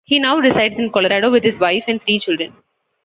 He now resides in Colorado with his wife and three children.